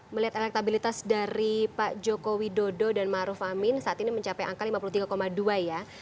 melihat elektabilitas dari pak joko widodo dan maruf amin saat ini mencapai angka lima puluh tiga dua ya